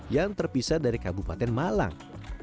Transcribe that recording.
yang terpisah dari kabupaten malang